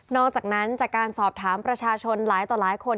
อกจากนั้นจากการสอบถามประชาชนหลายต่อหลายคน